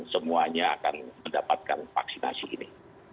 semuanya akan mendapatkan vaksinasi ini